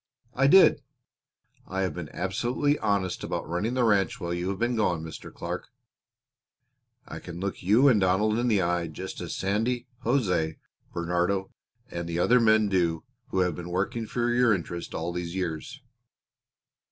I did. I have been absolutely honest about running the ranch while you have been gone, Mr. Clark. I can look you and Donald in the eye just as Sandy, José, Bernardo, and the other men do who have been working for your interest all these years."